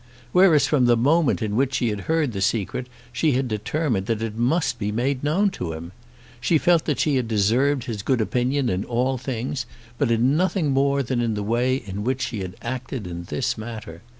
Whereas from the moment in which she had heard the secret she had determined that it must be made known to him. She felt that she had deserved his good opinion in all things, but in nothing more than in the way in which she had acted in this matter.